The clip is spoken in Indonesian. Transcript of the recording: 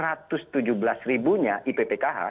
rp satu ratus tujuh belas ribunya ippkh